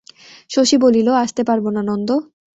শশী বলিল, আসতে পারব না নন্দ।